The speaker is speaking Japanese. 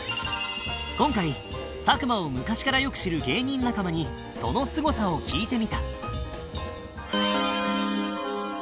今回佐久間を昔からよく知る芸人仲間にそのすごさを聞いてみた